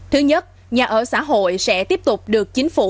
thứ nhất nhà ở xã hội sẽ tiếp tục được chính phủ